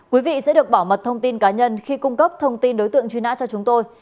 quý vị sẽ được bảo mật thông tin cá nhân khi cung cấp thông tin đối tượng truy nã cho chúng tôi